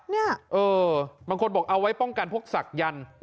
เนี่ยเออบางคนบอกเอาไว้ป้องกันพวกศักยันต์